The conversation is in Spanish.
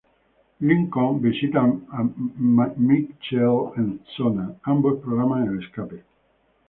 Lincoln visita a Michael en Sona, ambos programan el escape.